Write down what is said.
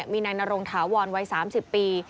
มีในนาโรงถาววอนวัย๓๐ปี